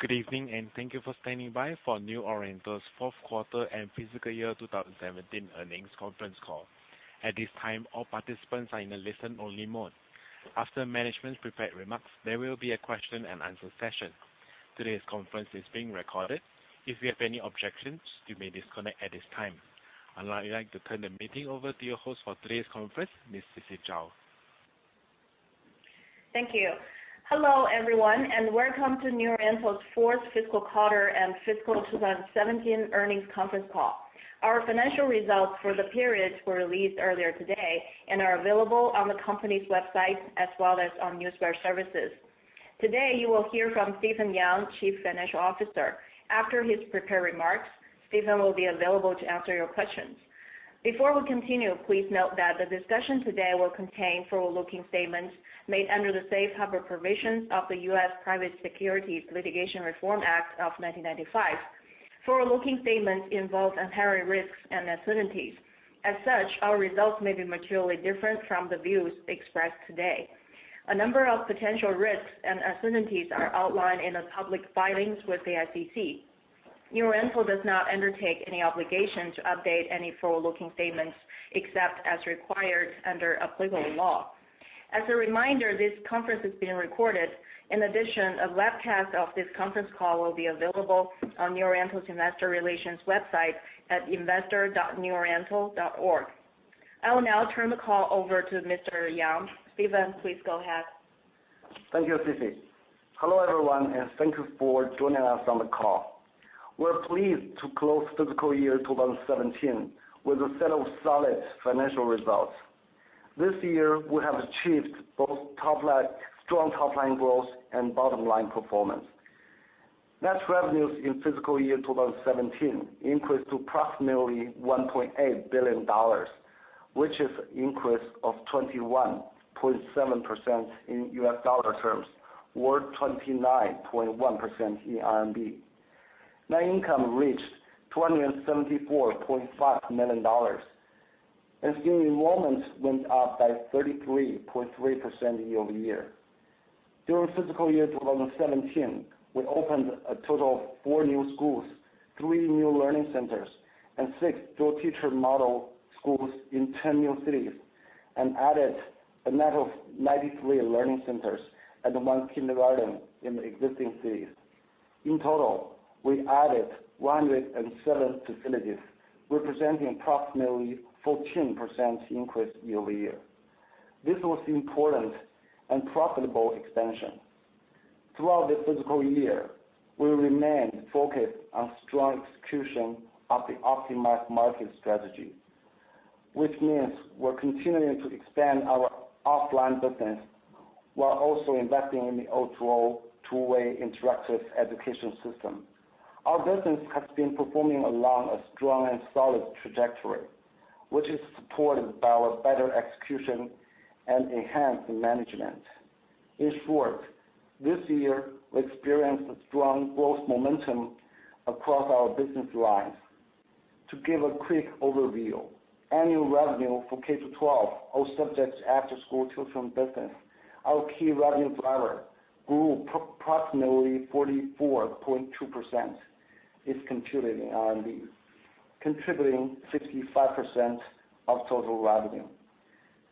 Thank you for standing by for New Oriental's fourth quarter and fiscal year 2017 earnings conference call. At this time, all participants are in a listen-only mode. After management's prepared remarks, there will be a question and answer session. Today's conference is being recorded. If you have any objections, you may disconnect at this time. I would now like to turn the meeting over to your host for today's conference, Ms. Sisi Zhao. Thank you. Hello, everyone, welcome to New Oriental's fourth fiscal quarter and fiscal 2017 earnings conference call. Our financial results for the period were released earlier today and are available on the company's website as well as on Newswire services. Today, you will hear from Stephen Yang, Chief Financial Officer. After his prepared remarks, Stephen will be available to answer your questions. Before we continue, please note that the discussion today will contain forward-looking statements made under the safe harbor provisions of the U.S. Private Securities Litigation Reform Act of 1995. Forward-looking statements involve inherent risks and uncertainties. As such, our results may be materially different from the views expressed today. A number of potential risks and uncertainties are outlined in the public filings with the SEC. New Oriental does not undertake any obligation to update any forward-looking statements, except as required under applicable law. As a reminder, this conference is being recorded. In addition, a webcast of this conference call will be available on New Oriental's investor relations website at investor.neworiental.org. I will now turn the call over to Mr. Yang. Stephen, please go ahead. Thank you, Sisi. Hello, everyone, thank you for joining us on the call. We're pleased to close fiscal year 2017 with a set of solid financial results. This year, we have achieved both strong top-line growth and bottom-line performance. Net revenues in fiscal year 2017 increased to approximately $1.8 billion, which is increase of 21.7% in U.S. dollar terms, or 29.1% in RMB. Net income reached $274.5 million, and student enrollments went up by 33.3% year-over-year. During fiscal year 2017, we opened a total of four new schools, three new learning centers, and six dual-teacher model schools in 10 new cities, and added a net of 93 learning centers and one kindergarten in the existing cities. In total, we added 107 facilities, representing approximately 14% increase year-over-year. Throughout this fiscal year, we remained focused on strong execution of the optimized market strategy. Which means we're continuing to expand our offline business while also investing in the O2O two-way interactive education system. Our business has been performing along a strong and solid trajectory, which is supported by our better execution and enhanced management. In short, this year, we experienced a strong growth momentum across our business lines. To give a quick overview, annual revenue for K-12 all subjects after school tuition business, our key revenue driver, grew approximately 44.2% in contributed RMB, contributing 65% of total revenue.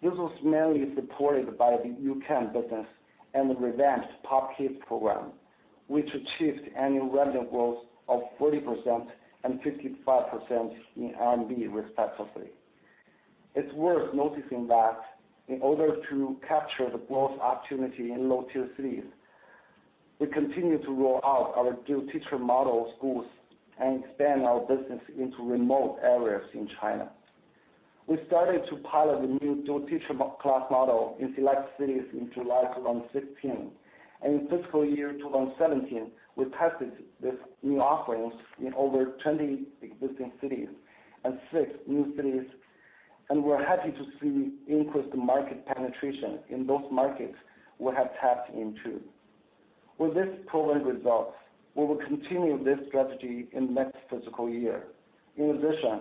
This was mainly supported by the U-Can business and the revamped POP Kids program, which achieved annual revenue growth of 40% and 55% in RMB respectively. It's worth noticing that in order to capture the growth opportunity in low-tier cities, we continue to roll out our dual-teacher model schools and expand our business into remote areas in China. We started to pilot the new dual-teacher class model in select cities in July 2016, and in fiscal year 2017, we tested these new offerings in over 20 existing cities and six new cities, and we're happy to see increased market penetration in those markets we have tapped into. With these proven results, we will continue this strategy in the next fiscal year. In addition,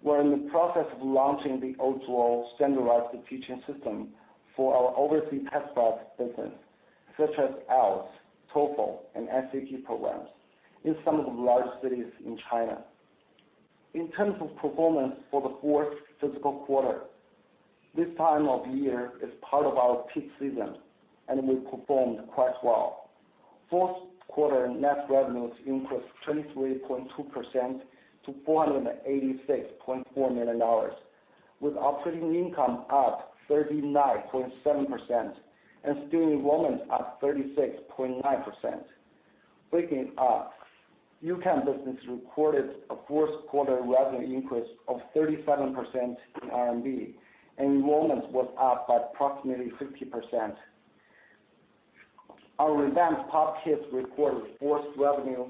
we're in the process of launching the O2O standardized teaching system for our overseas test-prep business, such as IELTS, TOEFL, and SAT programs in some of the large cities in China. In terms of performance for the fourth fiscal quarter, this time of year is part of our peak season, and we performed quite well. Fourth quarter net revenues increased 23.2% to $486.4 million, with operating income up 39.7% and student enrollment up 36.9%. Breaking it up, U-Can business recorded a fourth quarter revenue increase of 37% in RMB, and enrollment was up by approximately 50%. Our revamped POP Kids recorded fourth revenue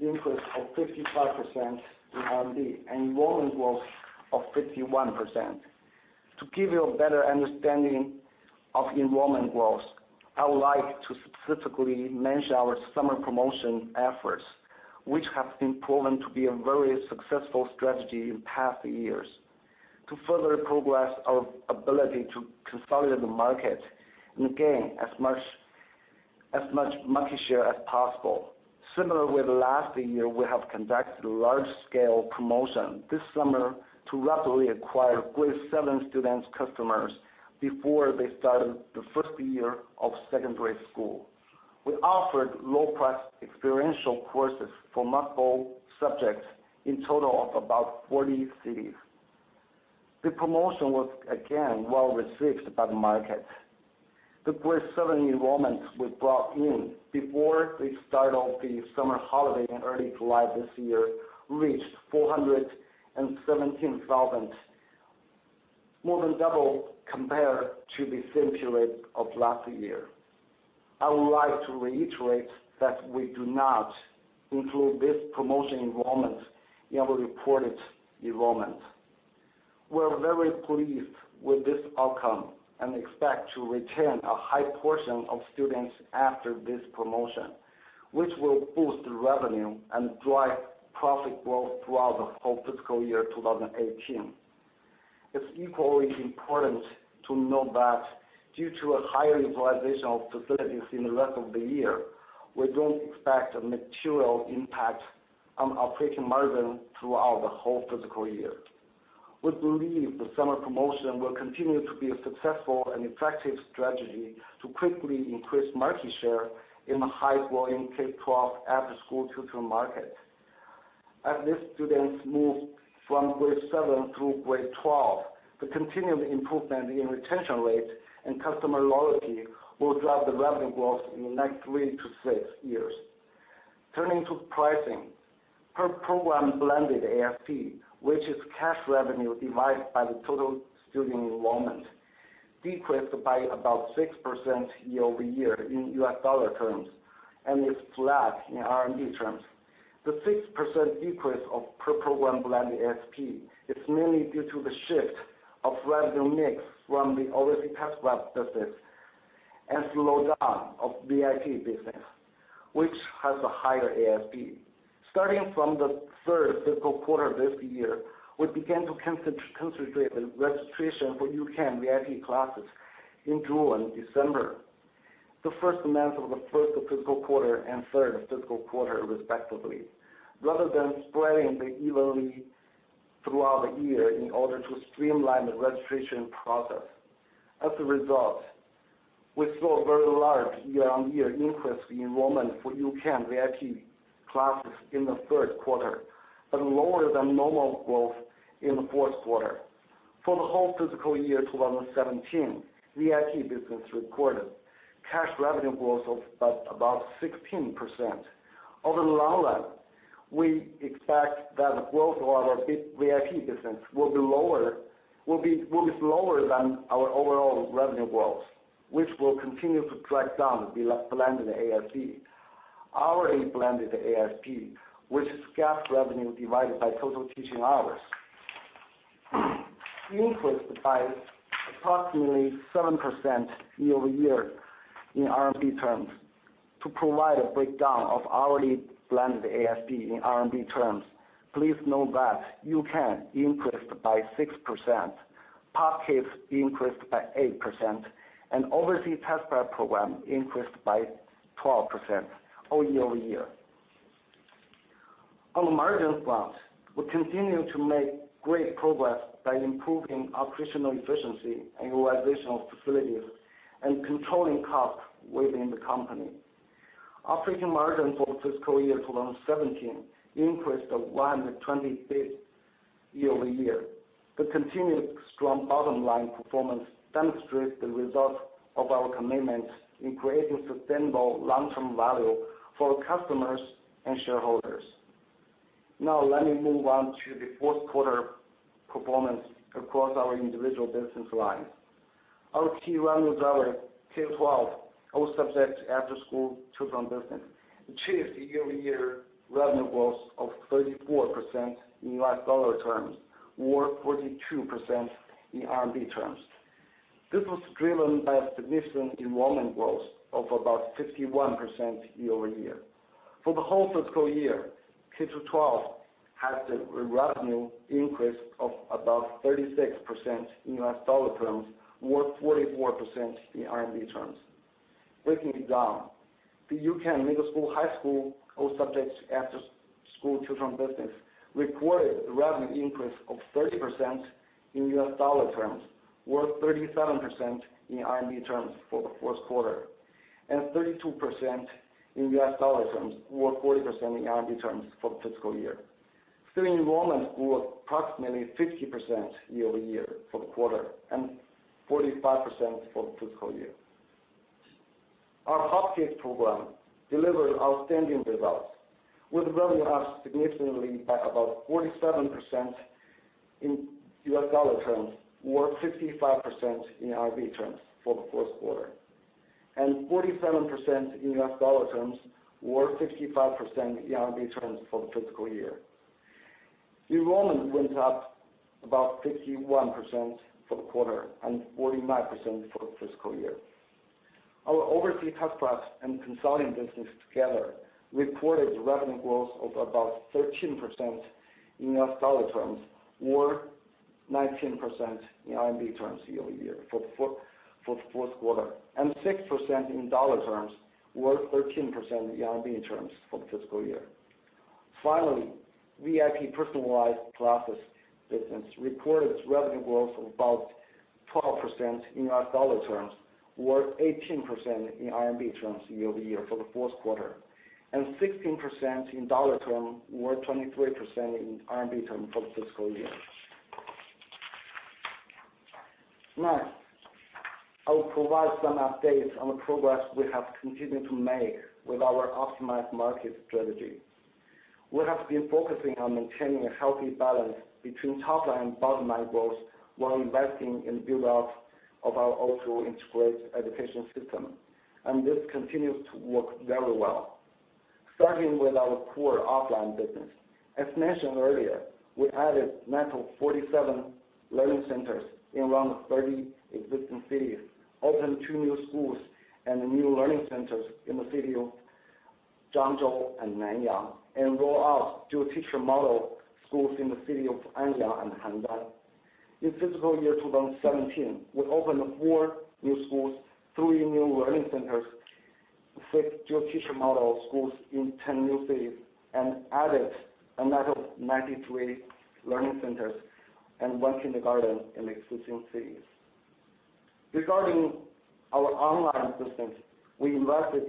increase of 55% in RMB, and enrollment growth of 51%. To give you a better understanding of enrollment growth, I would like to specifically mention our summer promotion efforts, which have been proven to be a very successful strategy in past years. To further progress our ability to consolidate the market and gain as much market share as possible. Similar with last year, we have conducted large-scale promotion this summer to rapidly acquire Grade 7 students customers before they started the first year of secondary school. We offered low-priced experiential courses for multiple subjects in total of about 40 cities. The promotion was again well-received by the market. The Grade 7 enrollments we brought in before the start of the summer holiday in early July this year reached 417,000, more than double compared to the same period of last year. I would like to reiterate that we do not include this promotion enrollment in our reported enrollment. We're very pleased with this outcome and expect to retain a high portion of students after this promotion, which will boost revenue and drive profit growth throughout the whole fiscal year 2018. It's equally important to note that due to a higher utilization of facilities in the rest of the year, we don't expect a material impact on operating margin throughout the whole fiscal year. We believe the summer promotion will continue to be a successful and effective strategy to quickly increase market share in the high-volume K-12 after-school tutor market. As these students move from Grade 7 through Grade 12, the continued improvement in retention rates and customer loyalty will drive the revenue growth in the next three to six years. Turning to pricing. Per program blended ASP, which is cash revenue divided by the total student enrollment, decreased by about 6% year-over-year in US dollar terms, and is flat in RMB terms. The 6% decrease of per program blended ASP is mainly due to the shift of revenue mix from the overseas test prep business and slowdown of VIP business, which has a higher ASP. Starting from the third fiscal quarter of this year, we began to concentrate the registration for U-Can VIP classes in June, December, the first month of the first fiscal quarter and third fiscal quarter, respectively, rather than spreading them evenly throughout the year in order to streamline the registration process. As a result, we saw a very large year-on-year increase in enrollment for U-Can VIP classes in the third quarter, but lower than normal growth in the fourth quarter. For the whole fiscal year 2017, VIP business recorded cash revenue growth of about 16%. Over the long run, we expect that the growth of our VIP business will be slower than our overall revenue growth, which will continue to drag down the blended ASP. Hourly blended ASP, which is cash revenue divided by total teaching hours, increased by approximately 7% year-over-year in RMB terms. To provide a breakdown of hourly blended ASP in RMB terms, please know that U-Can increased by 6%, POP Kids increased by 8%, and overseas test prep program increased by 12% all year-over-year. On the margin front, we continue to make great progress by improving operational efficiency and utilization of facilities and controlling costs within the company. Operating margin for fiscal year 2017 increased 120 basis points year-over-year. The continued strong bottom-line performance demonstrates the result of our commitment in creating sustainable long-term value for customers and shareholders. Now, let me move on to the fourth quarter performance across our individual business lines. Our key revenue driver, K-12 all subjects after-school tutoring business, achieved year-over-year revenue growth of 34% in US dollar terms, or 42% in RMB terms. This was driven by a significant enrollment growth of about 51% year-over-year. For the whole fiscal year, K-12 had a revenue increase of about 36% in US dollar terms, or 44% in RMB terms. Breaking it down, the U-Can middle school, high school, all subjects after-school tutoring business recorded revenue increase of 30% in US dollar terms, or 37% in RMB terms for the fourth quarter, and 32% in US dollar terms or 40% in RMB terms for the fiscal year. Student enrollment grew approximately 50% year-over-year for the quarter and 45% for the fiscal year. Our POP Kids program delivered outstanding results with revenue up significantly by about 47% in US dollar terms or 55% in RMB terms for the fourth quarter, and 47% in US dollar terms or 55% in RMB terms for the fiscal year. Enrollment went up about 51% for the quarter and 49% for the fiscal year. Our overseas test prep and consulting business together reported revenue growth of about 13% in US dollar terms or 19% in RMB terms year-over-year for the fourth quarter, and 6% in dollar terms or 13% in RMB terms for the fiscal year. Finally, VIP personalized classes business reported revenue growth of about 12% in US dollar terms or 18% in RMB terms year-over-year for the fourth quarter, and 16% in dollar terms or 23% in RMB terms for the fiscal year. I will provide some updates on the progress we have continued to make with our optimized market strategy. We have been focusing on maintaining a healthy balance between top line and bottom line growth while investing in build-out of our O2O integrated education system. This continues to work very well. Starting with our core offline business. As mentioned earlier, we added net of 47 learning centers in around 30 existing cities, opened two new schools and new learning centers in the city of Zhengzhou and Nanyang, and rolled out dual-teacher model schools in the city of Anyang and Handan. In fiscal year 2017, we opened four new schools, three new learning centers, six dual-teacher model schools in 10 new cities and added a net of 93 learning centers and one kindergarten in existing cities. Regarding our online business, we invested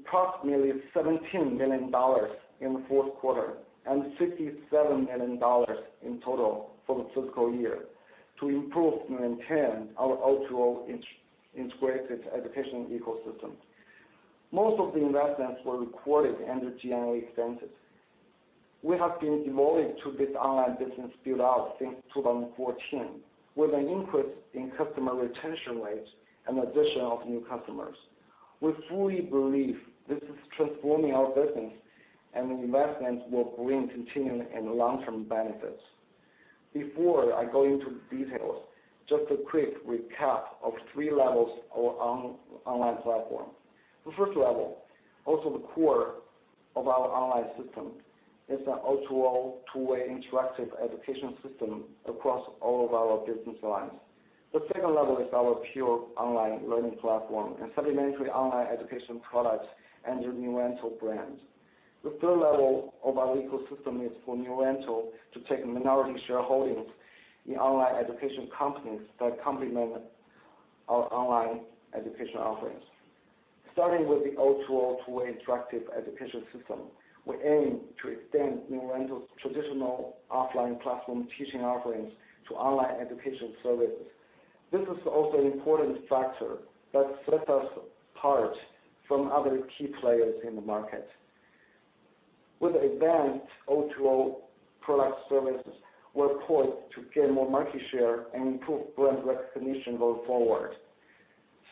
approximately $17 million in the fourth quarter and $67 million in total for the fiscal year to improve and maintain our O2O integrated education ecosystem. Most of the investments were recorded under G&A expenses. We have been devoted to this online business build-out since 2014, with an increase in customer retention rates and addition of new customers. We fully believe this is transforming our business. The investments will bring continuing and long-term benefits. Before I go into the details, just a quick recap of three levels of our online platform. The first level, also the core of our online system, is an O2O two-way interactive education system across all of our business lines. The second level is our pure online learning platform and supplementary online education products under New Oriental brand. The third level of our ecosystem is for New Oriental to take minority shareholdings in online education companies that complement our online education offerings. Starting with the O2O two-way interactive education system, we aim to extend New Oriental's traditional offline classroom teaching offerings to online education services. This is also an important factor that sets us apart from other key players in the market. With advanced O2O product services, we're poised to gain more market share and improve brand recognition going forward.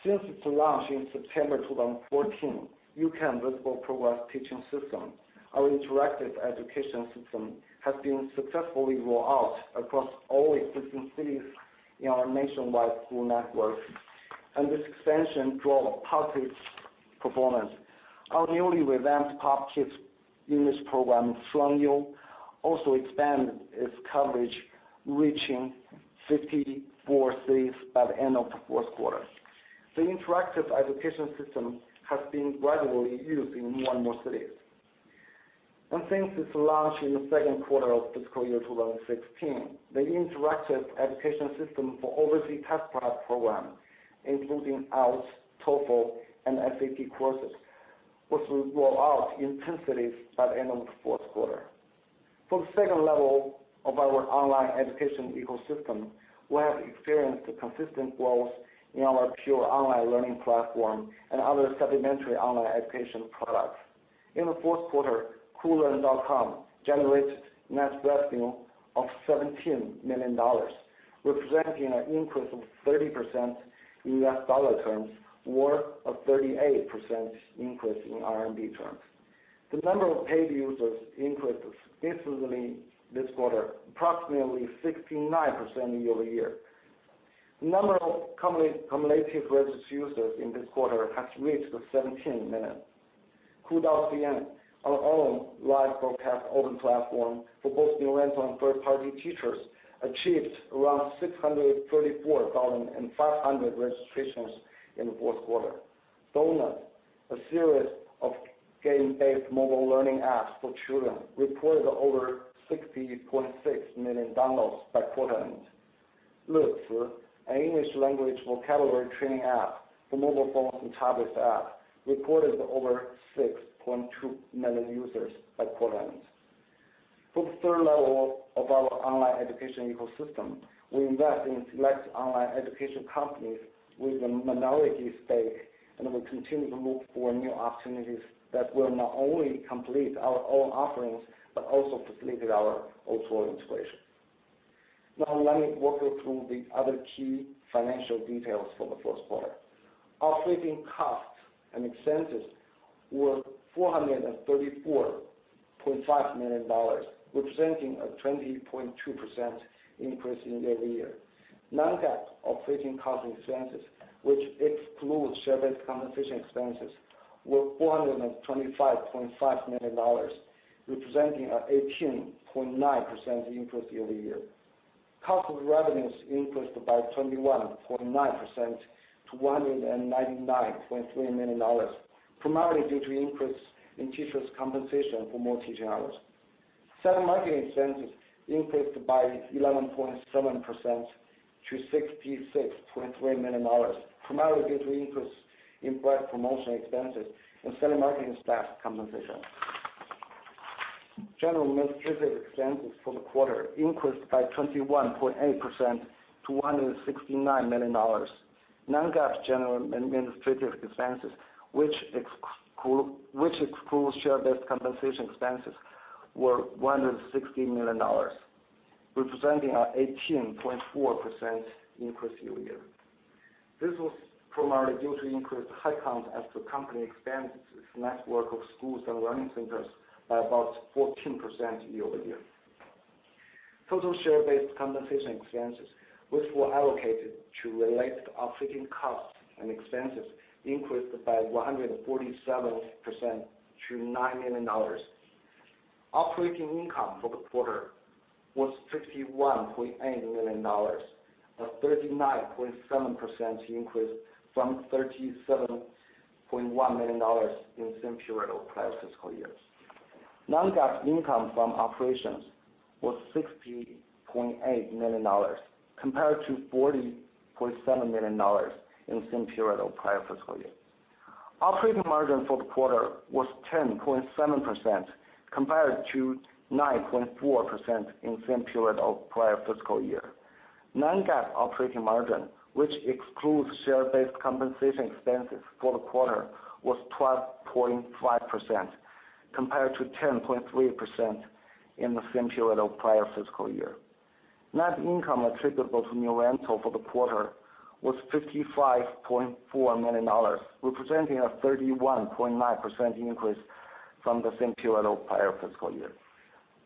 Since its launch in September 2014, U-Can Visible Progress Teaching System, our interactive education system, has been successfully rolled out across all existing cities in our nationwide school network. This expansion drove positive performance. Our newly revamped POP Kids English program, Shuangyu, also expanded its coverage, reaching 54 cities by the end of the fourth quarter. The interactive education system has been gradually used in more and more cities. Since its launch in the second quarter of fiscal year 2016, the interactive education system for overseas test prep programs, including IELTS, TOEFL, and SAT courses, was rolled out in 10 cities by the end of the fourth quarter. For the second level of our online education ecosystem, we have experienced consistent growth in our pure online learning platform and other supplementary online education products. In the fourth quarter, koolearn.com generated net revenue of $17 million, representing an increase of 30% in US dollar terms or a 38% increase in RMB terms. The number of paid users increased significantly this quarter, approximately 69% year-over-year. The number of cumulative registered users in this quarter has reached 17 million. Koo Da Shan, our own live broadcast open platform for both New Oriental and third-party teachers, achieved around 634,500 registrations in the fourth quarter. Donut, a series of game-based mobile learning apps for children, reported over 60.6 million downloads by quarter end. Le Ci, an English language vocabulary training app for mobile phones and tablets, reported over 6.2 million users by quarter end. For the third level of our online education ecosystem, we invest in select online education companies with a minority stake, and we continue to look for new opportunities that will not only complete our own offerings but also facilitate our O2O integration. Now let me walk you through the other key financial details for the fourth quarter. Operating cost and expenses were $434.5 million, representing a 20.2% increase year-over-year. Non-GAAP operating costs and expenses, which excludes share-based compensation expenses, were $425.5 million, representing an 18.9% increase year-over-year. Cost of revenues increased by 21.9% to $199.3 million, primarily due to increase in teachers' compensation for more teaching hours. Sales and marketing expenses increased by 11.7% to $66.3 million, primarily due to increase in product promotion expenses and sales marketing staff compensation. General and administrative expenses for the quarter increased by 21.8% to $169 million. Non-GAAP general and administrative expenses, which excludes share-based compensation expenses, were $116 million, representing an 18.4% increase year-over-year. This was primarily due to increased headcount as the company expands its network of schools and learning centers by about 14% year-over-year. Total share-based compensation expenses, which were allocated to relate to operating costs and expenses, increased by 147% to $9 million. Operating income for the quarter was $51.8 million, a 39.7% increase from $37.1 million in the same period of prior fiscal years. Non-GAAP income from operations was $60.8 million compared to $40.7 million in the same period of prior fiscal year. Operating margin for the quarter was 10.7% compared to 9.4% in the same period of prior fiscal year. Non-GAAP operating margin, which excludes share-based compensation expenses for the quarter, was 12.5% compared to 10.3% in the same period of prior fiscal year. Net income attributable to New Oriental for the quarter was $55.4 million, representing a 31.9% increase from the same period of prior fiscal year.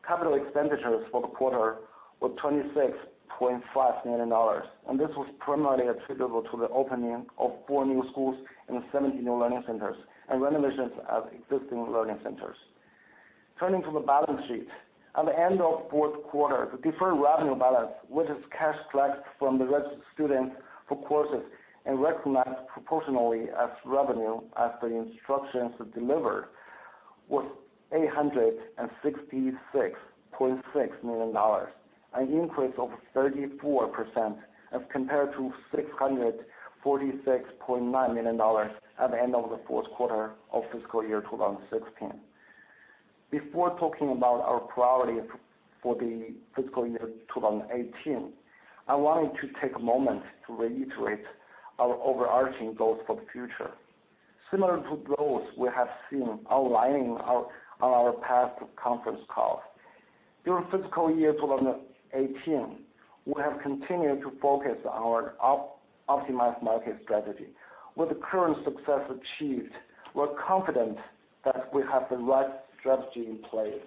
Capital expenditures for the quarter were $26.5 million, and this was primarily attributable to the opening of four new schools and 70 new learning centers and renovations of existing learning centers. Turning to the balance sheet. At the end of fourth quarter, the deferred revenue balance, which is cash collected from the registered students for courses and recognized proportionally as revenue as the instructions were delivered, was $866.6 million, an increase of 34% as compared to $646.9 million at the end of the fourth quarter of fiscal year 2016. Before talking about our priority for the fiscal year 2018, I wanted to take a moment to reiterate our overarching goals for the future, similar to those we have seen outlining on our past conference calls. During fiscal year 2018, we have continued to focus on our optimized market strategy. With the current success achieved, we're confident that we have the right strategy in place,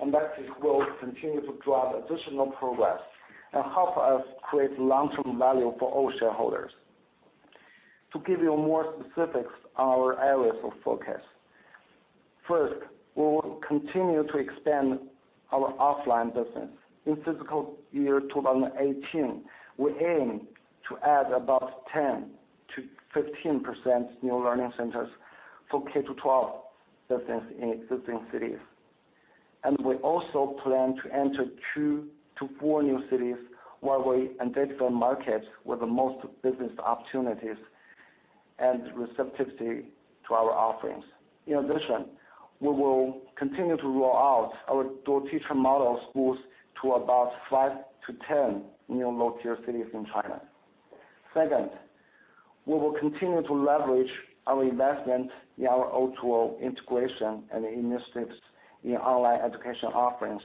that it will continue to drive additional progress and help us create long-term value for all shareholders. To give you more specifics on our areas of focus, first, we will continue to expand our offline business. In fiscal year 2018, we aim to add about 10%-15% new learning centers for K-12 business in existing cities. We also plan to enter two to four new cities where we identify markets with the most business opportunities and receptivity to our offerings. In addition, we will continue to roll out our dual-teacher model schools to about 5 to 10 new low-tier cities in China. Second, we will continue to leverage our investment in our O2O integration and initiatives in online education offerings.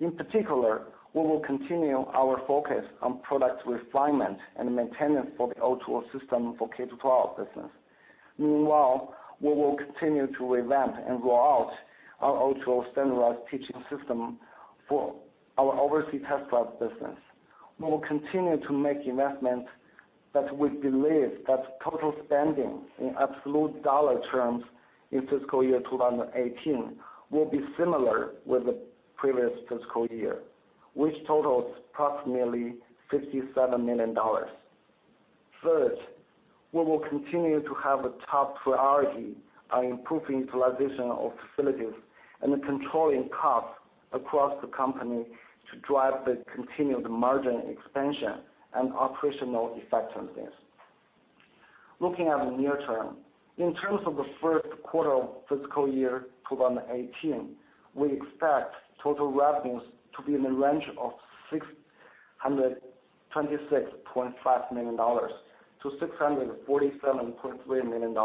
In particular, we will continue our focus on product refinement and maintenance for the O2O system for K-12 business. Meanwhile, we will continue to revamp and roll out our O2O standardized teaching system for our overseas test prep business. We will continue to make investments that we believe that total spending in absolute dollar terms in fiscal year 2018 will be similar with the previous fiscal year, which totals approximately $57 million. Third, we will continue to have a top priority on improving utilization of facilities and controlling costs across the company to drive the continued margin expansion and operational effectiveness. Looking at the near term, in terms of the first quarter of fiscal year 2018, we expect total revenues to be in the range of $626.5 million-$647.3 million,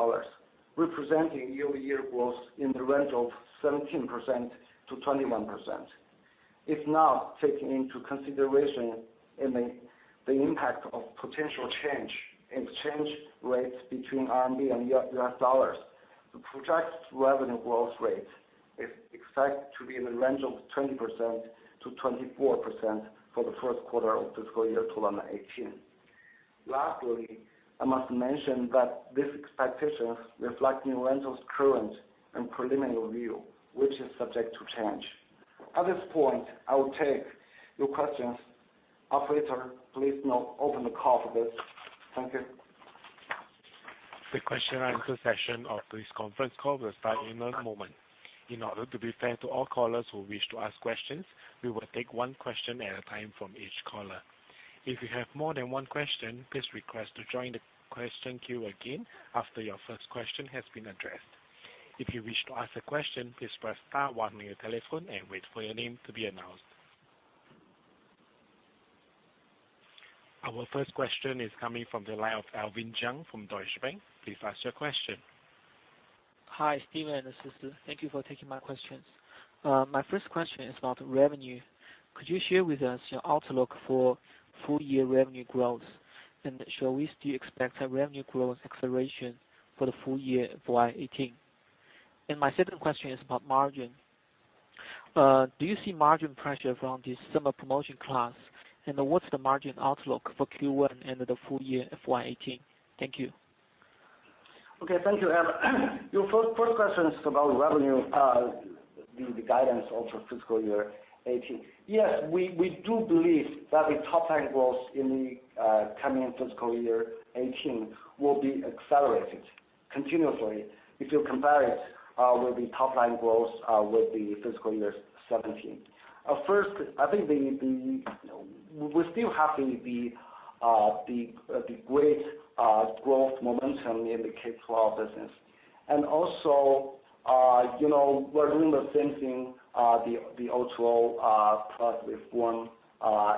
representing year-over-year growth in the range of 17%-21%. If not taking into consideration the impact of potential change in exchange rates between RMB and U.S. dollars, the projected revenue growth rate is expected to be in the range of 20%-24% for the first quarter of fiscal year 2018. Lastly, I must mention that this expectation reflects New Oriental's current and preliminary view, which is subject to change. At this point, I will take your questions. Operator, please now open the call for this. Thank you. The question answer session of this conference call will start in a moment. In order to be fair to all callers who wish to ask questions, we will take one question at a time from each caller. If you have more than one question, please request to join the question queue again after your first question has been addressed. If you wish to ask a question, please press star one on your telephone and wait for your name to be announced. Our first question is coming from the line of Alvin Jiang from Deutsche Bank. Please ask your question. Hi, Stephen and Sisi. Thank you for taking my questions. My first question is about revenue. Could you share with us your outlook for full-year revenue growth? Should we still expect a revenue growth acceleration for the full year of FY 2018? My second question is about margin. Do you see margin pressure from the summer promotion class? What's the margin outlook for Q1 and the full year FY 2018? Thank you. Okay, thank you, Alvin. Your first question is about revenue, the guidance of fiscal year 2018. Yes, we do believe that the top line growth in the coming fiscal year 2018 will be accelerated continuously if you compare it with the top line growth with the fiscal year 2017. First, I think we still have the great growth momentum in the K-12 business. We're doing the same thing, the O2O product with one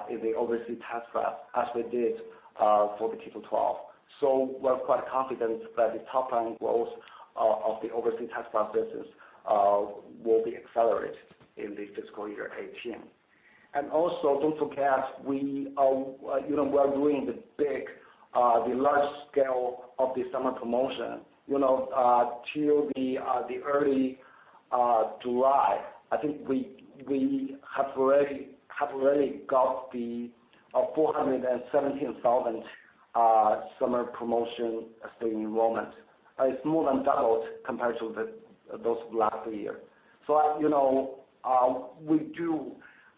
in the overseas test prep as we did for the K-12. We are quite confident that the top line growth of the overseas test prep business will be accelerated in the fiscal year 2018. Don't forget, we are doing the large scale of the summer promotion. Till the early July, I think we have already got the 417,000 summer promotion student enrollment. It's more than doubled compared to those last year. We do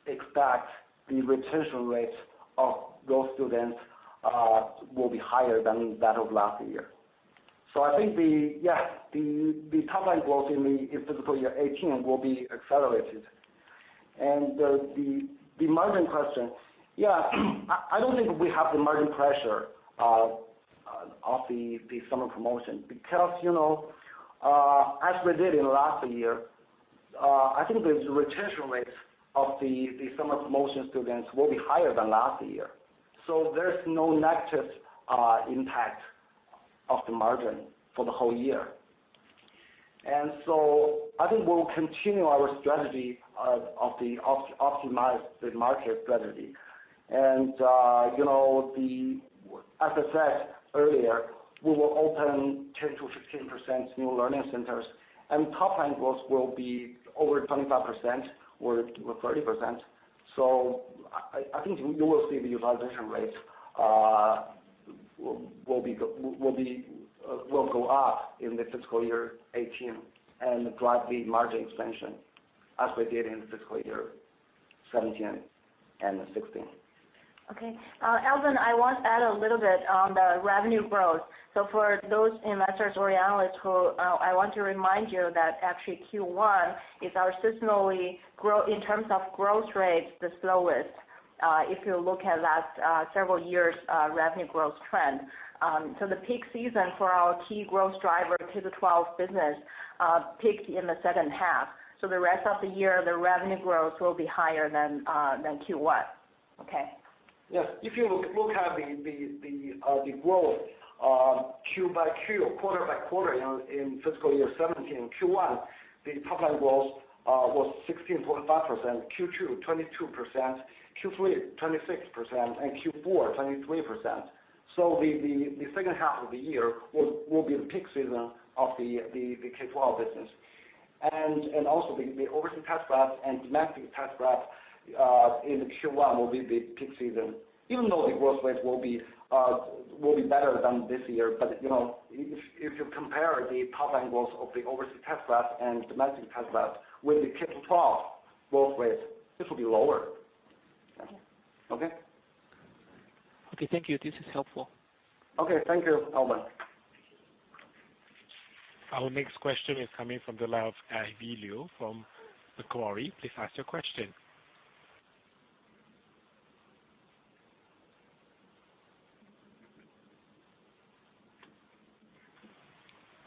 expect the retention rates of those students will be higher than that of last year. I think the top line growth in the fiscal year 2018 will be accelerated. The margin question. I don't think we have the margin pressure of the summer promotion because as we did in last year, I think the retention rates of the summer promotion students will be higher than last year. There's no negative impact of the margin for the whole year. I think we will continue our strategy of the optimized market strategy. As I said earlier, we will open 10%-15% new learning centers, and top line growth will be over 25% or 30%. I think you will see the utilization rates will go up in the fiscal year 2018 and drive the margin expansion as we did in fiscal year 2017 and 2016. Okay. Alvin, I want to add a little bit on the revenue growth. For those investors or analysts, I want to remind you that actually Q1 is our seasonally, in terms of growth rates, the slowest, if you look at last several years' revenue growth trend. The peak season for our key growth driver K through 12 business peaked in the second half. The rest of the year, the revenue growth will be higher than Q1. Okay. Yes. If you look at the growth Q by Q, quarter by quarter in fiscal year 2017, Q1, the top line growth was 16.5%, Q2 22%, Q3 26%, and Q4 23%. The second half of the year will be the peak season of the K12 business. Also the overseas test prep and domestic test prep in Q1 will be the peak season, even though the growth rates will be better than this year. If you compare the top line growth of the overseas test prep and domestic test prep with the K through 12 growth rate, this will be lower. Thank you. Okay? Okay, thank you. This is helpful. Okay. Thank you, Alvin. Our next question is coming from the line of Ivy Luo from Macquarie. Please ask your question.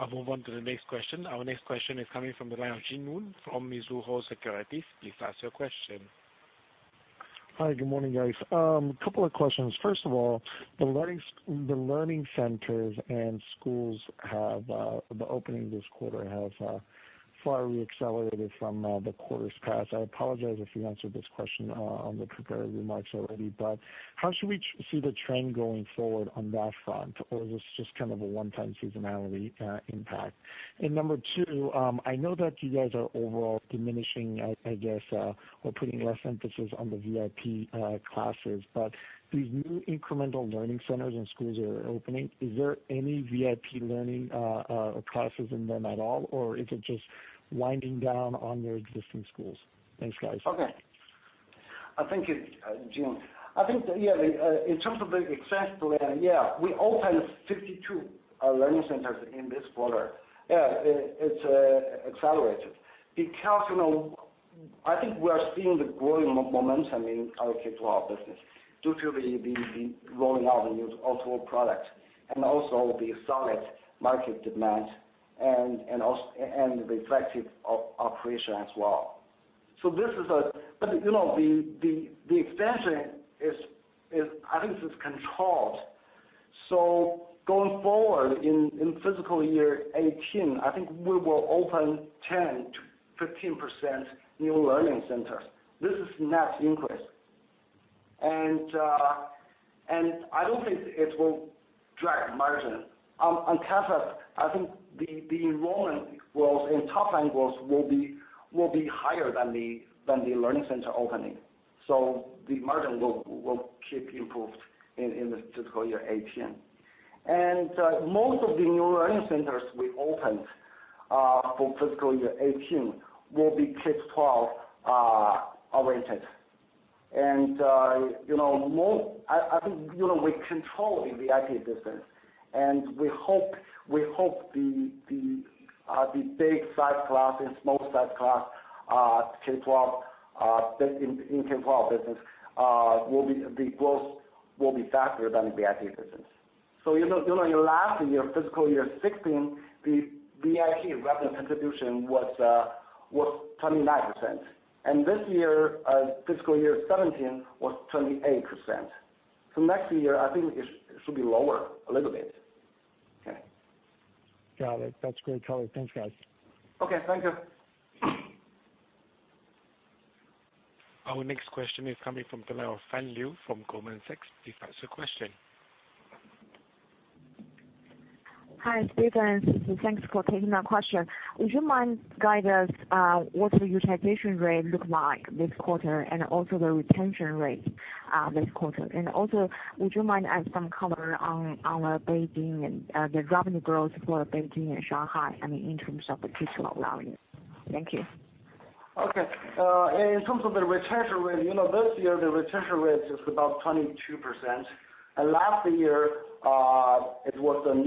I'll move on to the next question. Our next question is coming from the line of Jin Yoon from Mizuho Securities. Please ask your question. Hi, good morning, guys. A couple of questions. First of all, the learning centers and schools opening this quarter have far re-accelerated from the quarters past. I apologize if you answered this question on the prepared remarks already, but how should we see the trend going forward on that front? Or is this just a one-time seasonality impact? Number two, I know that you guys are overall diminishing, I guess, or putting less emphasis on the VIP classes. These new incremental learning centers and schools are opening. Is there any VIP learning classes in them at all, or is it just winding down on your existing schools? Thanks, guys. Okay. Thank you, Jin. I think that, in terms of the exact plan, yeah, we opened 52 learning centers in this quarter. Yeah, it's accelerated because I think we are seeing the growing momentum in our K12 business due to the rolling out of new O2O products and also the solid market demand, and the effective operation as well. The expansion is, I think, controlled. Going forward in fiscal year 2018, I think we will open 10%-15% new learning centers. This is net increase. I don't think it will drag margin. On campus, I think the enrollment growth and top line growth will be higher than the learning center opening. The margin will keep improved in the fiscal year 2018. Most of the new learning centers we opened for fiscal year 2018 will be K12-oriented. I think we control the VIP business, and we hope the big size class and small size class in K-12 business, the growth will be faster than VIP business. In your last year, fiscal year 2016, the VIP revenue contribution was 29%, and this year, fiscal year 2017, was 28%. Next year, I think it should be lower a little bit. Okay. Got it. That's great color. Thanks, guys. Okay, thank you. Our next question is coming from the line of Fan Liu from Goldman Sachs. Please ask your question. Hi, Stephen. Thanks for taking my question. Would you mind guiding us what the utilization rate look like this quarter and also the retention rate this quarter? Also, would you mind adding some color on the revenue growth for Beijing and Shanghai, I mean, in terms of the K-12 value? Thank you. Okay. In terms of the retention rate, this year the retention rate is about 22%, and last year it was 19%-20%.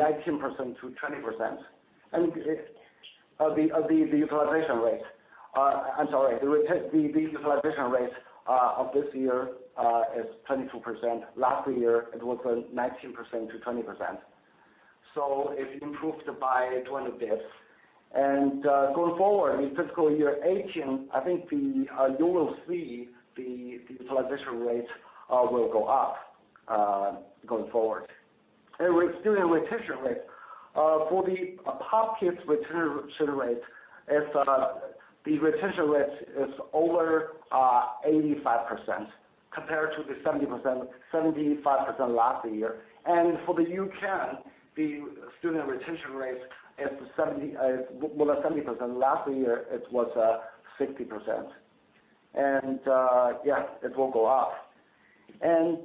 The utilization rate, I'm sorry, the utilization rate of this year is 22%. Last year it was 19%-20%. So it improved by 20 basis points. Going forward in FY 2018, I think you will see the utilization rate will go up going forward. Student retention rate, for the POP Kids retention rate, the retention rate is over 85% compared to the 70%-75% last year. For the U-Can, the student retention rate is more than 70%. Last year it was 60%. Yeah, it will go up.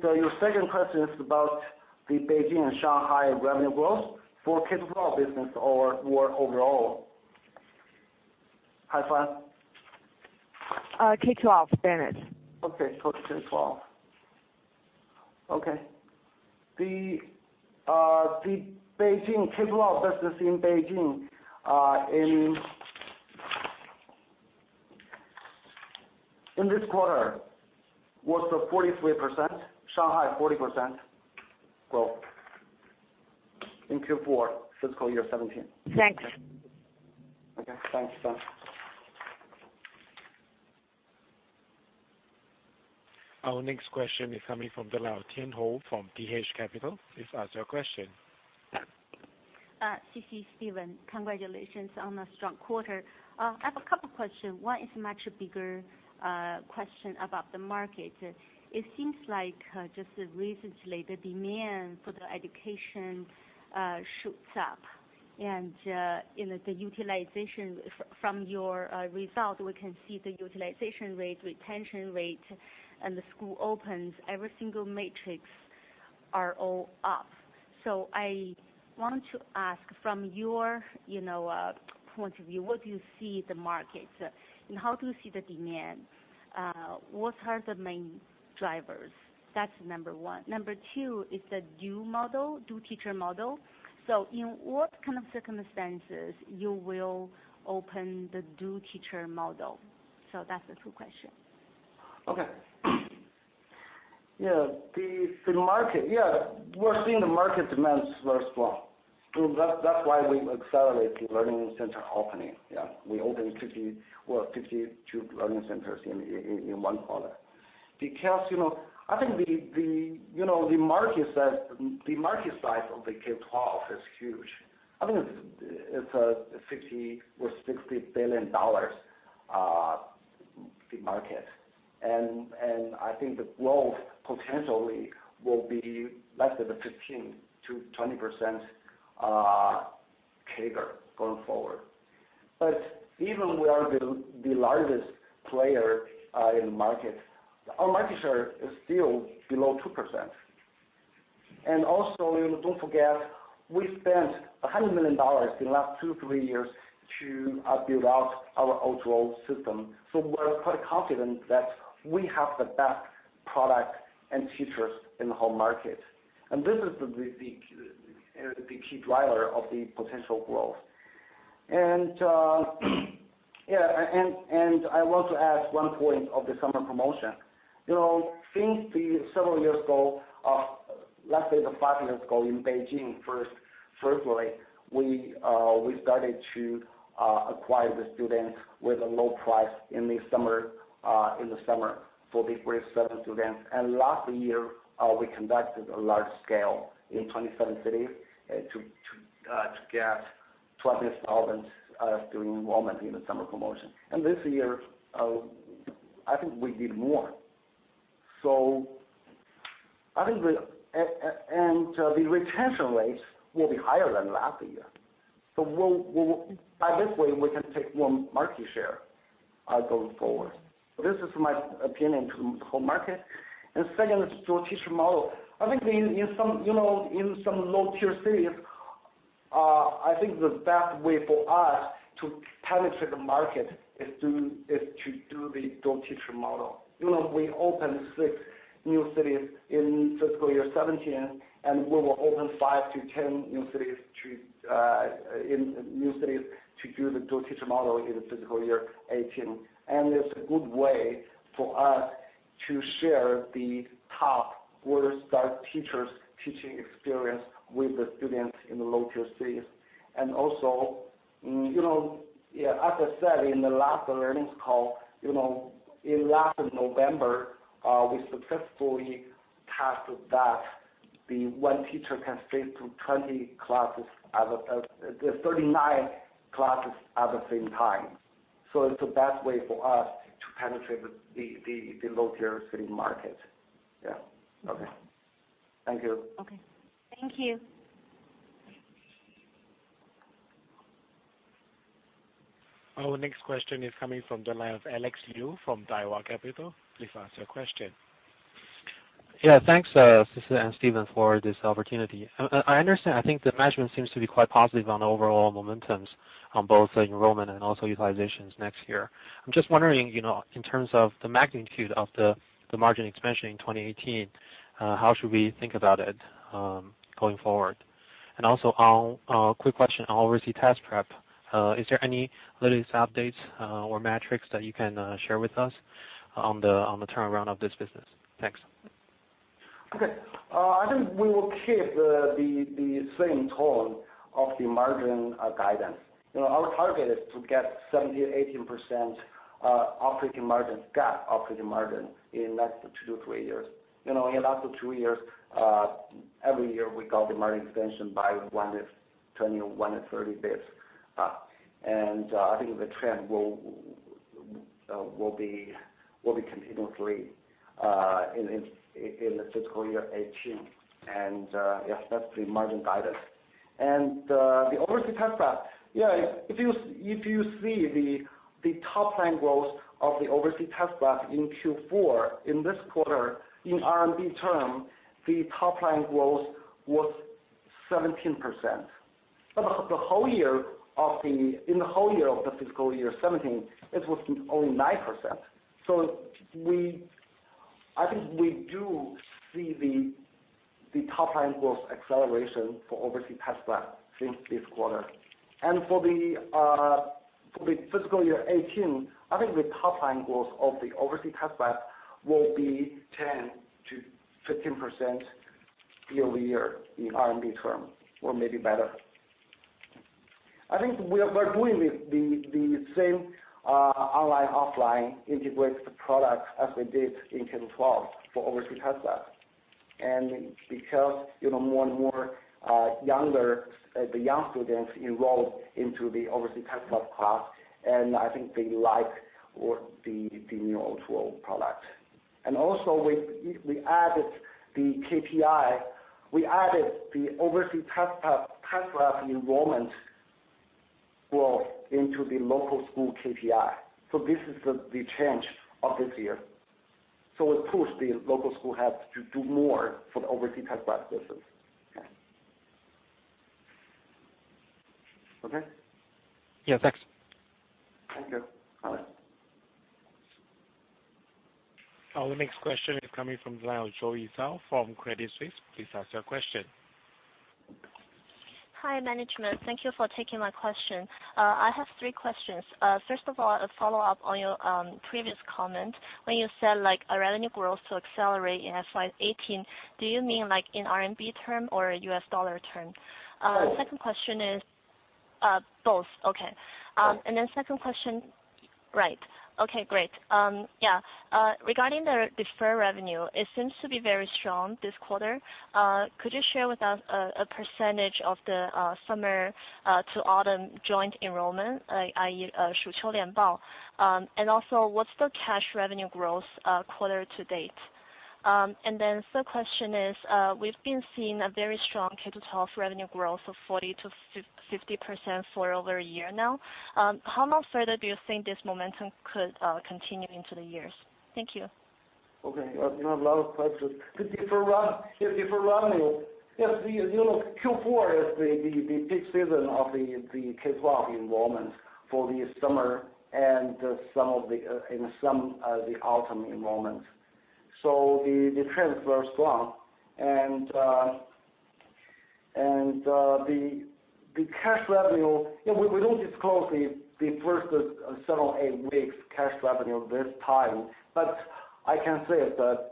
Your second question is about the Beijing and Shanghai revenue growth for K-12 business or overall? Hi, Fan. K-12, standard. Okay, for K-12. Okay. The K-12 business in Beijing in this quarter was 43%, Shanghai 40% growth in Q4 FY 2017. Thanks. Okay. Thanks, Fan. Our next question is coming from the line of Tian Hou from TH Capital. Please ask your question. Hi, Stephen. Congratulations on a strong quarter. I have a couple of questions. One is much bigger question about the market. It seems like just recently the demand for the education shoots up, and the utilization from your result, we can see the utilization rate, retention rate, and the school opens, every single matrix are all up. I want to ask from your point of view, what do you see the market, and how do you see the demand? What are the main drivers? That's number one. Number two is the new model, new teacher model. In what kind of circumstances you will open the new teacher model? That's the two questions. Okay. We're seeing the market demands very strong. That's why we accelerate the learning center opening. We opened 50 or 52 learning centers in one quarter. I think the market size of the K-12 is huge. I think it's a $50 billion or $60 billion market, and I think the growth potentially will be less than the 15%-20% CAGR going forward. Even we are the largest player in the market, our market share is still below 2%. Also, don't forget, we spent $100 million in the last two, three years to build out our O2O system. We're quite confident that we have the best product and teachers in the whole market, and this is the key driver of the potential growth. I want to add one point of the summer promotion. Several years ago, let's say five years ago in Beijing, firstly, we started to acquire the students with a low price in the summer for the grade 7 students. Last year, we conducted a large scale in 27 cities to get 20,000 student enrollment in the summer promotion. This year, I think we did more. The retention rates will be higher than last year. By this way, we can take more market share going forward. This is my opinion to whole market. Second is dual-teacher model. I think in some low-tier cities, the best way for us to penetrate the market is to do the dual-teacher model. We opened six new cities in fiscal year 2017. We will open 5 to 10 new cities to do the dual-teacher model in the fiscal year 2018. It's a good way for us to share the top Blue Sky teachers teaching experience with the students in the low-tier cities. Also, as I said in the last earnings call, in last of November, we successfully tested that the one teacher can teach to 39 classes at the same time. It's the best way for us to penetrate the low-tier city market. Okay. Thank you. Okay. Thank you. Our next question is coming from the line of Alex Liu from Daiwa Capital. Please ask your question. Yeah. Thanks, Sisi and Stephen, for this opportunity. I understand, I think the management seems to be quite positive on overall momentums on both the enrollment and also utilizations next year. I'm just wondering, in terms of the magnitude of the margin expansion in 2018, how should we think about it going forward? Also, a quick question on Overseas Test Prep. Is there any latest updates or metrics that you can share with us on the turnaround of this business? Thanks. Okay. I think we will keep the same tone of the margin guidance. Our target is to get 17%-18% operating margins, GAAP operating margin, in less than two to three years. In the last two years, every year we got the margin expansion by 20, 130 bps. I think the trend will be continually in the fiscal year 2018. Yes, that's the margin guidance. The Overseas Test Prep, if you see the top line growth of the Overseas Test Prep in Q4, in this quarter, in RMB term, the top line growth was 17%. But in the whole year of the fiscal year 2017, it was only 9%. I think we do see the top line growth acceleration for Overseas Test Prep since this quarter. For the fiscal year 2018, I think the top line growth of the Overseas Test Prep will be 10%-15% year-over-year in RMB term, or maybe better. I think we are doing the same online, offline integrated product as we did in K-12 for Overseas Test Prep. Because more and more the young students enroll into the Overseas Test Prep class, I think they like the new O2O product. Also, we added the KPI. We added the Overseas Test Prep enrollment growth into the local school KPI. This is the change of this year. It pushed the local school have to do more for the Overseas Test Prep business. Okay? Yeah. Thanks. Thank you, Alex. Our next question is coming from the line of Zoe Zhao from Credit Suisse. Please ask your question. Hi, management. Thank you for taking my question. I have three questions. First of all, a follow-up on your previous comment when you said revenue growth to accelerate in FY 2018. Do you mean in RMB term or U.S. dollar term? Both. Both. Okay. Second question. Right. Okay, great. Yeah. Regarding the deferred revenue, it seems to be very strong this quarter. Could you share with us a percentage of the summer to autumn joint enrollment, i.e., 夏秋联报? What's the cash revenue growth quarter to date? Third question is, we've been seeing a very strong K-12 revenue growth of 40%-50% for over a year now. How much further do you think this momentum could continue into the years? Thank you. Okay. A lot of questions. The deferred revenue. Yes, Q4 is the peak season of the K-12 enrollments for the summer and some of the autumn enrollments. The trends were strong. The cash revenue, we don't disclose the first several eight weeks cash revenue this time, but I can say that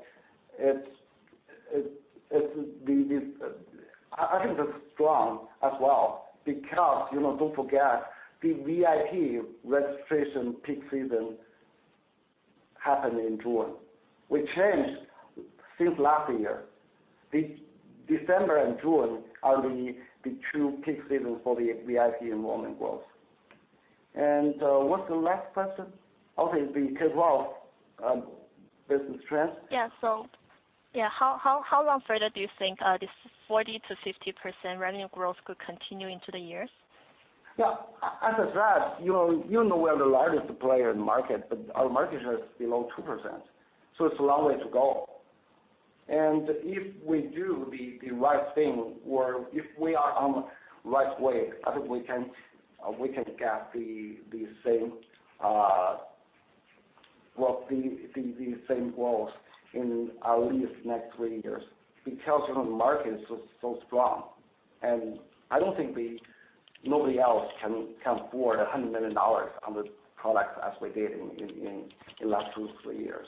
I think it's strong as well, because don't forget, the VIP registration peak season happened in June. We changed since last year. December and June are the true peak season for the VIP enrollment growth. What's the last question? Okay, the K-12 business trends. Yeah. How long further do you think this 40%-50% revenue growth could continue into the years? Yeah. As I said, you know we are the largest player in the market, but our market share is below 2%. It's a long way to go. If we do the right thing, or if we are on the right way, I think we can get the same growth in at least next three years, because the market is so strong. I don't think nobody else can afford $100 million on the product as we did in last two, three years.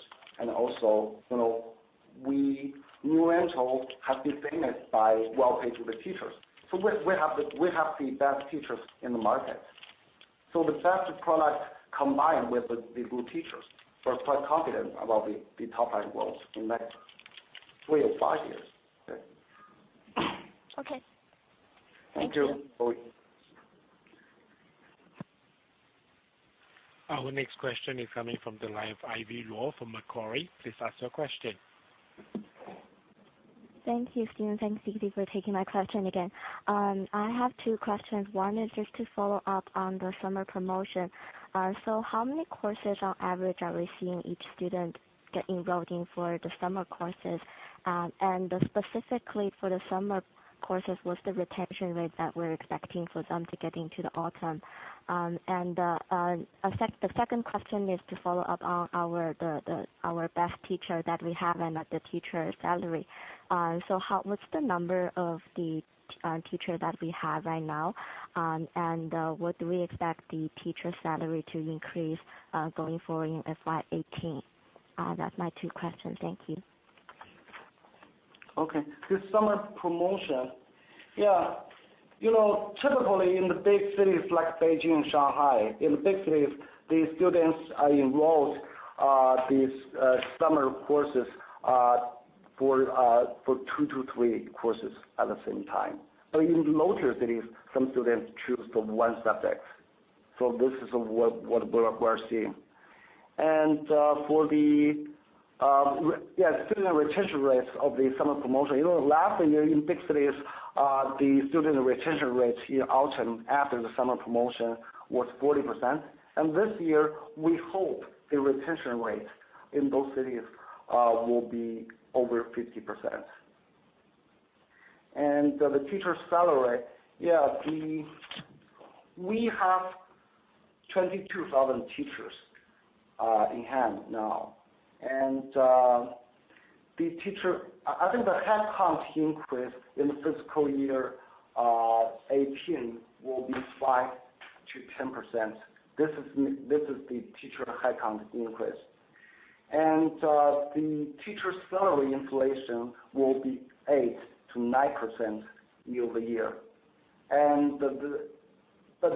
Also, New Oriental has been famous by well-paid teachers. We have the best teachers in the market. The best product combined with the good teachers. I'm quite confident about the top line growth in the next three or five years. Okay. Okay. Thank you. Thank you. Our next question is coming from the line of Ivy Luo from Macquarie. Please ask your question. Thank you, Stephen. Thanks, Sisi, for taking my question again. I have two questions. One is just to follow up on the summer promotion. How many courses on average are we seeing each student get enrolled in for the summer courses? Specifically for the summer courses, what is the retention rate that we are expecting for them to get into the autumn? The second question is to follow up on our best teacher that we have and the teacher salary. What is the number of the teachers that we have right now, and would we expect the teacher salary to increase going forward in FY 2018? That is my two questions. Thank you. The summer promotion. Typically, in the big cities like Beijing and Shanghai, in the big cities, the students are enrolled these summer courses for two to three courses at the same time. In the lower tier cities, some students choose from one subject. This is what we are seeing. For the student retention rates of the summer promotion, last year in big cities, the student retention rates in autumn after the summer promotion was 40%. This year, we hope the retention rate in those cities will be over 50%. The teacher salary, we have 22,000 teachers in hand now. I think the headcount increase in fiscal year 2018 will be 5%-10%. This is the teacher headcount increase. The teacher salary inflation will be 8%-9% year-over-year.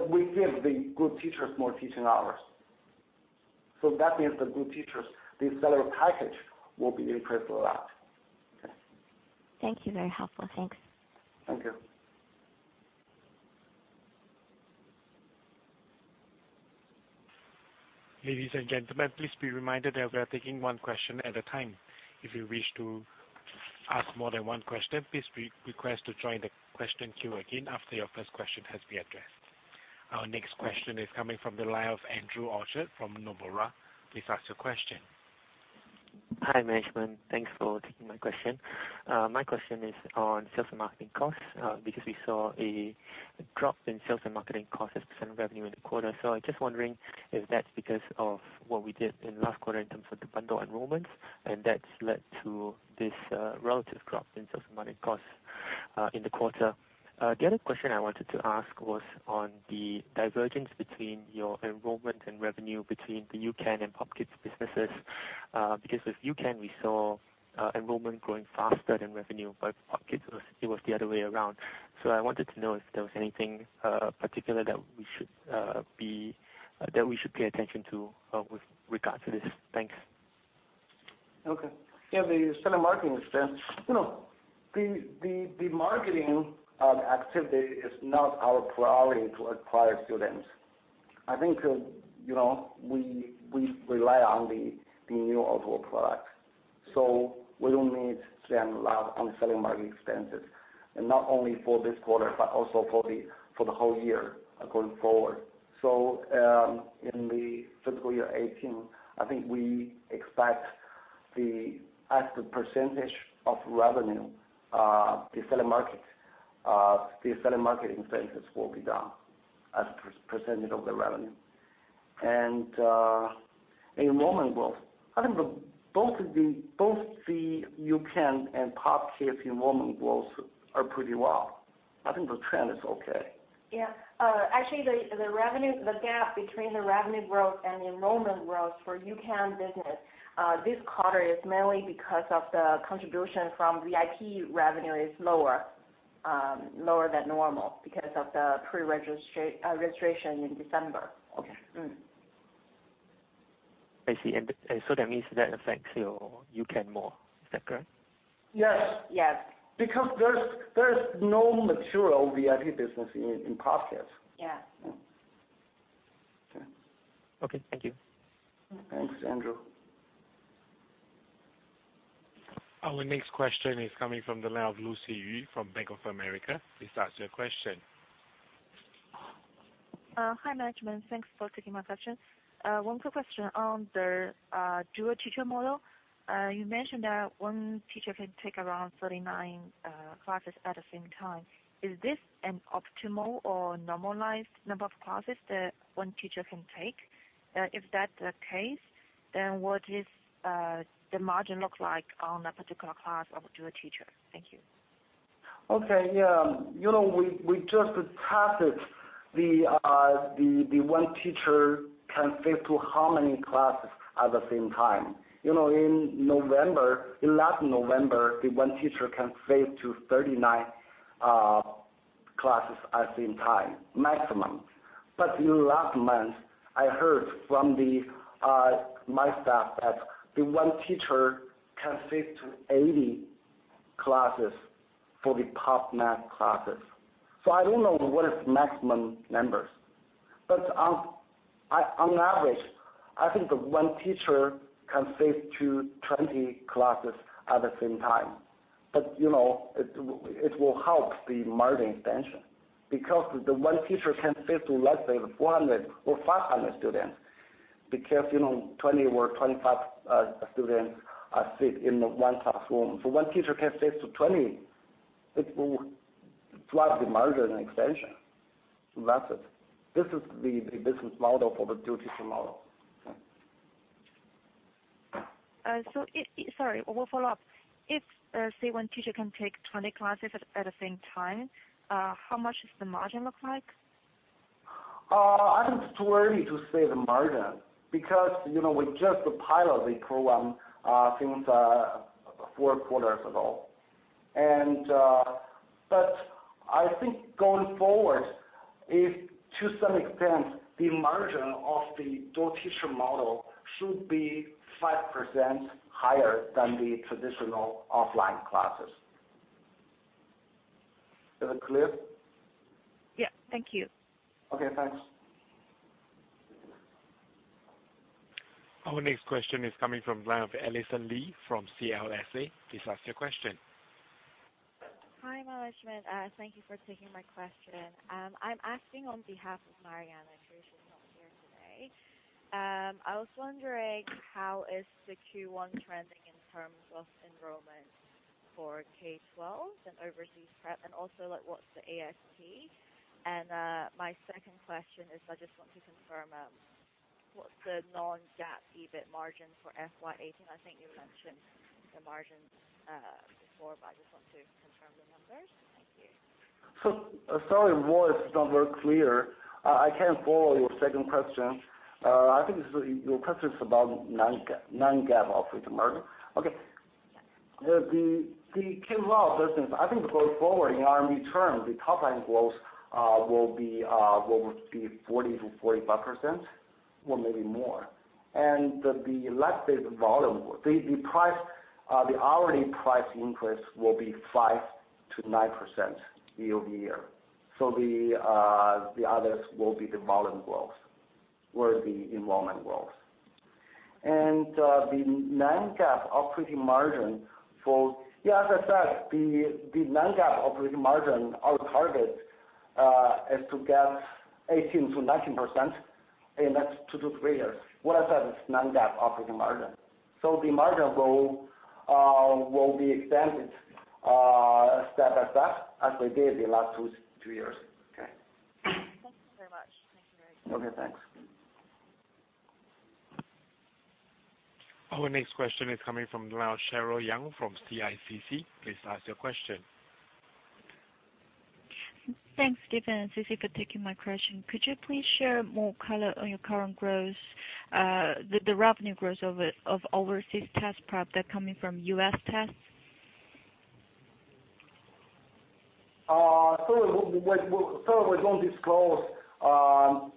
We give the good teachers more teaching hours. That means the good teachers, the salary package will be increased a lot. Okay. Thank you. Very helpful. Thanks. Thank you. Ladies and gentlemen, please be reminded that we are taking one question at a time. If you wish to ask more than one question, please be requested to join the question queue again after your first question has been addressed. Our next question is coming from the line of Andrew Orchard from Nomura. Please ask your question. Hi, management. Thanks for taking my question. My question is on sales and marketing costs, because we saw a drop in sales and marketing costs as a % of revenue in the quarter. I'm just wondering if that's because of what we did in last quarter in terms of the bundle enrollments, and that's led to this relative drop in sales and marketing costs in the quarter. The other question I wanted to ask was on the divergence between your enrollment and revenue between the U-Can and POP Kids businesses. With U-Can we saw enrollment growing faster than revenue, but POP Kids, it was the other way around. I wanted to know if there was anything particular that we should pay attention to with regards to this. Thanks. Okay. Yeah, the selling marketing expense. The marketing activity is not our priority to acquire students. I think we rely on the new O2O product. We don't need to spend a lot on selling marketing expenses, and not only for this quarter, but also for the whole year going forward. In the fiscal year 2018, I think we expect as the % of revenue, the selling marketing expenses will be down as a % of the revenue. Enrollment growth. I think both the U-Can and POP Kids enrollment growths are pretty well. I think the trend is okay. Yeah. Actually, the gap between the revenue growth and enrollment growth for U-Can business, this quarter is mainly because of the contribution from VIP revenue is lower than normal because of the preregistration in December. Okay. I see. That means that affects your U-Can more. Is that correct? Yes. Yes. Because there's no material VIP business in POP Kids. Yeah. Yeah. Okay. Okay, thank you. Thanks, Andrew. Our next question is coming from the line of Lucy Yu from Bank of America. Please ask your question. Hi, management. Thanks for taking my question. One quick question on the dual-teacher model. You mentioned that one teacher can take around 39 classes at the same time. Is this an optimal or normalized number of classes that one teacher can take? If that's the case, what does the margin look like on a particular class of a dual-teacher? Thank you. Okay, yeah. We just tested the one teacher can face to how many classes at the same time. In last November, the one teacher can face to 39 classes at the same time, maximum. In last month, I heard from my staff that the one teacher can face to 80 classes for the Pop Math classes. I don't know what is maximum numbers, on average, I think the one teacher can face to 20 classes at the same time. It will help the margin expansion because the one teacher can face to let's say 400 or 500 students because 20 or 25 students are sit in the one classroom. One teacher can face to 20, it will drive the margin expansion. That's it. This is the business model for the dual-teacher model. Sorry. One follow-up. If, say, one teacher can take 20 classes at the same time, how much does the margin look like? I think it's too early to say the margin because we just pilot the program since four quarters ago. I think going forward, if to some extent, the margin of the dual-teacher model should be 5% higher than the traditional offline classes. Is it clear? Yeah. Thank you. Okay, thanks. Our next question is coming from the line of Alison Lee from CLSA. Please ask your question. Hi, management. Thank you for taking my question. I'm asking on behalf of Mariana, she's not here today. I was wondering how is the Q1 trending in terms of enrollment for K-12 and overseas prep, and also, what's the ASP? My second question is, I just want to confirm what's the non-GAAP EBIT margin for FY 2018? I think you mentioned the margin before, but I just want to confirm the numbers. Thank you. Sorry, voice is not very clear. I can't follow your second question. I think your question is about Non-GAAP operating margin. Okay. The K-12 business, I think going forward in RMB terms, the top-line growth will be 40%-45%, or maybe more. The less is volume. The hourly price increase will be 5%-9% year-over-year. The others will be the volume growth or the enrollment growth. As I said, the Non-GAAP operating margin, our target is to get 18%-19% in the next two to three years. What I said is Non-GAAP operating margin. The margin growth will be extended step by step as we did the last two years. Okay. Thank you so much. Thank you very much. Okay, thanks. Our next question is coming from the line of Zhao Yang from CICC. Please ask your question. Thanks, Stephen and Sisi for taking my question. Could you please share more color on your current growth, the revenue growth of overseas test prep that coming from U.S. tests? We don't disclose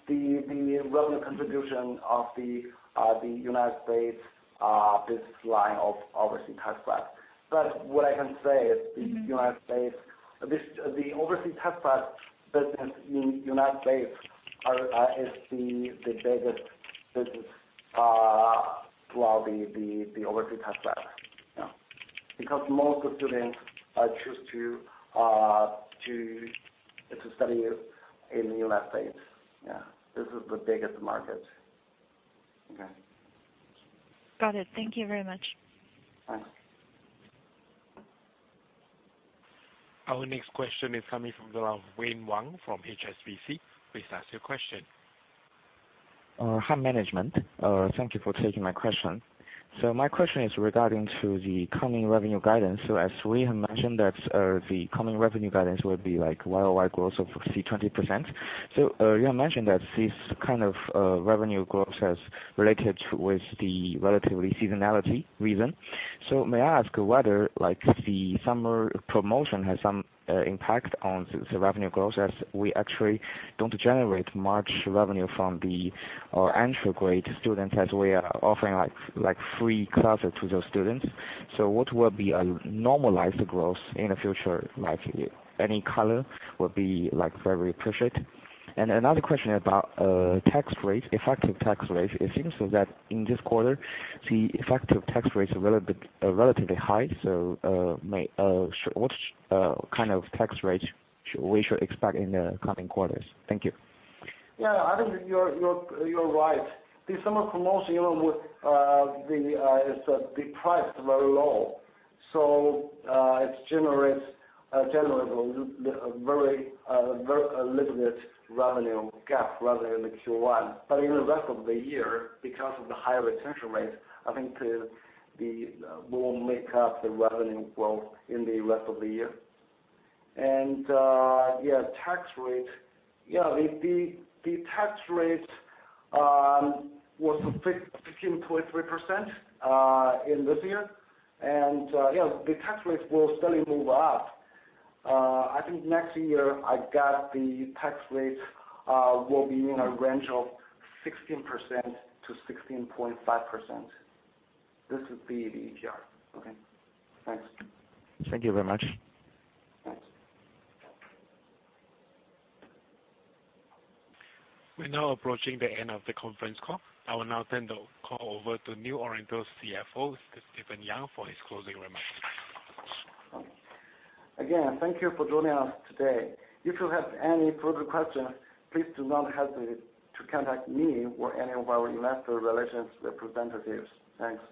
the revenue contribution of the United States business line of overseas test prep. What I can say is the overseas test prep business in United States is the biggest business throughout the overseas test prep. Most of the students choose to study in the United States. Yeah. This is the biggest market. Okay. Got it. Thank you very much. Thanks. Our next question is coming from the line of Wayne Wang from HSBC. Please ask your question. Hi, management. Thank you for taking my question. My question is regarding to the coming revenue guidance. As we have mentioned that the coming revenue guidance would be like year-over-year growth of 20%. You have mentioned that this kind of revenue growth has related with the relatively seasonality reason. May I ask whether the summer promotion has some impact on the revenue growth as we actually don't generate much revenue from the entry grade student as we are offering free classes to those students? What will be a normalized growth in the future like? Any color would be very appreciated. Another question about effective tax rate. It seems that in this quarter, the effective tax rate is relatively high. What kind of tax rate we should expect in the coming quarters? Thank you. I think you're right. The summer promotion, the price is very low. It generates a very limited revenue gap rather than the Q1. In the rest of the year, because of the high retention rate, I think we will make up the revenue growth in the rest of the year. Tax rate. The tax rate was 15.3% in this year. The tax rate will slowly move up. I think next year, I got the tax rate will be in a range of 16%-16.5%. This would be the ETR. Okay? Thanks. Thank you very much. Thanks. We're now approaching the end of the conference call. I will now turn the call over to New Oriental's CFO, Stephen Yang, for his closing remarks. Again, thank you for joining us today. If you have any further questions, please do not hesitate to contact me or any of our investor relations representatives. Thanks.